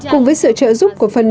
cùng với sự trợ giúp của phần nhựa